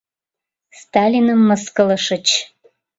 — Сталиным мыскылышыч.